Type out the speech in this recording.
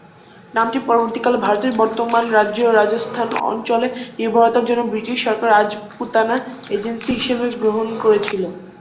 নামটি পরবর্তীকালে ভারতের বর্তমান রাজ্য রাজস্থান অঞ্চলে নির্ভরতার জন্য ব্রিটিশ সরকার রাজপুতানা এজেন্সি হিসাবে গ্রহণ করেছিল।